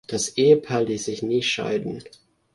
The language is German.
Das Ehepaar ließ sich nie scheiden.